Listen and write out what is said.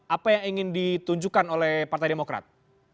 apa yang ingin ditunjukkan oleh partai demokrat